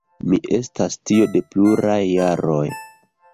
Mi estas tio de pluraj jaroj.